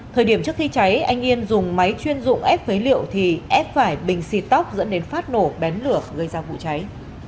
thời điểm trước khi cháy anh yên dùng máy chuyên dụng ép phế liệu thì ép phải bình xịt tóc dẫn đến phát nổ bén lửa gây ra vụ cháy